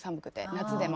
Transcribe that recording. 夏でも。